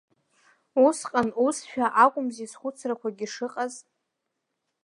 Усҟан усшәа акәымзи схәыцрақәагьы шыҟаз.